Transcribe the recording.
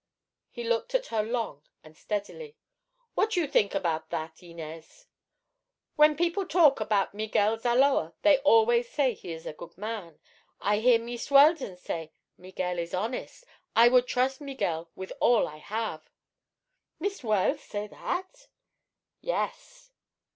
He looked at her long and steadily. "What you theenk about that, Inez?" "When people talk about Miguel Zaloa, they always say he is good man. I hear Meest Weldon say: 'Miguel is honest. I would trust Miguel with all I have.'" "Meest Weld say that?" "Yes."